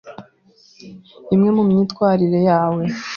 imwe mu myitwarire yawe,